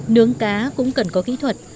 nướng cá cũng cần có kỹ thuật